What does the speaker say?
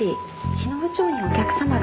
日野部長にお客様が。